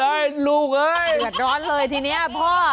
เออหนูจะเอาห้อไปนะลงเลยที่เนี่ยพ่อ